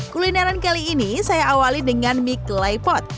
kulineran kali ini saya awali dengan mie clay pot